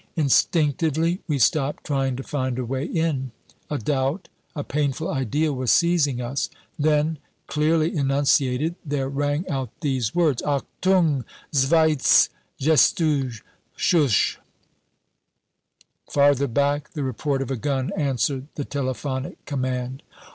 Instinctively we stopped trying to find a way in. A doubt, a painful idea was seizing us. Then, clearly enunciated, there rang out these words "Achtung! Zweites Geschutz Schuss " Farther back, the report of a gun answered the telephonic command.